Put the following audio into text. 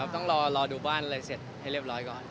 ต้องรอดูบ้านอะไรเสร็จให้เรียบร้อยก่อน